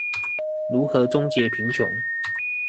如何終結貧窮？